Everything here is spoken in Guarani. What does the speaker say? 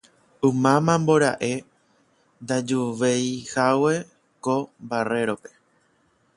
ymáma mbora'e ndajuveihague ko Barrerope